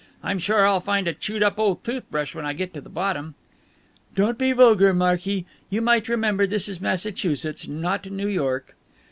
I'm sure I'll find a chewed up old toothbrush when I get to the bottom." "Don't be vulgar, Marky. You might remember this is Massachusetts, not New York."